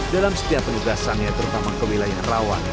dalam setiap penegasannya terutama kewilayah rawan